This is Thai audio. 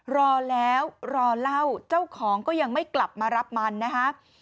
รอแล้วรอเล่าเจ้าของก็ยังไม่กลับมารับมันนะคะ